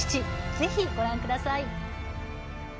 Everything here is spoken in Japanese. ぜひご覧ください。